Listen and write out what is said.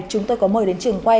chúng tôi có mời đến trường quay